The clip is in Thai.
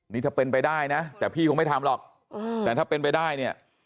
นี่ถ้าเป็นไปได้นะแต่พี่คงไม่ทำหรอกแต่ถ้าเป็นไปได้เนี่ย